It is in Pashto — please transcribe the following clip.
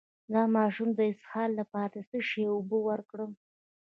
د ماشوم د اسهال لپاره د څه شي اوبه ورکړم؟